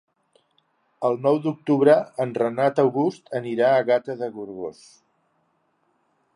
El nou d'octubre en Renat August anirà a Gata de Gorgos.